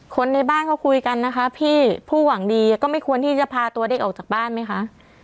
คนในบ้านเขาคุยกันนะคะพี่ผู้หวังดีก็ไม่ควรที่จะพาตัวเด็กออกจากบ้านไหมคะ